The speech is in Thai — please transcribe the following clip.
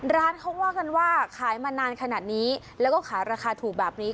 ร้านเขาว่ากันว่าขายมานานขนาดนี้แล้วก็ขายราคาถูกแบบนี้